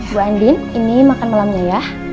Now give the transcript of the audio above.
bu andin ini makan malamnya ya